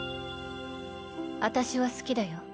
私は好きだよ